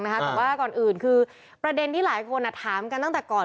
แต่ว่าก่อนอื่นคือประเด็นที่หลายคนถามกันตั้งแต่ก่อน